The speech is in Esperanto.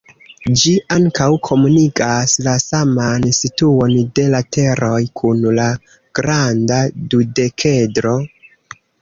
Ĝi ankaŭ komunigas la saman situon de lateroj kun la granda dudekedro.